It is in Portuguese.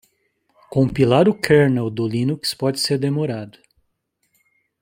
Compilar o kernel do Linux pode ser demorado.